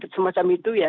semacam itu ya